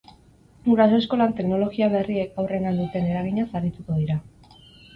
Guraso eskolan teknologia berriek haurrengan duten eraginaz arituko dira.